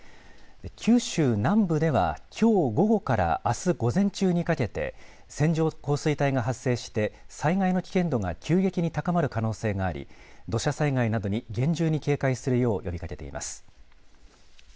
九州南部ではきょう午後からあす午前中にかけて線状降水帯が発生して災害の危険度が急激に高まる可能性があり土砂災害などに厳重に警戒するよう呼びかけています。